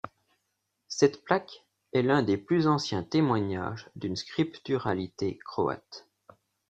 Cette plaque est l'un des plus anciens témoignages d'une scripturalité croate.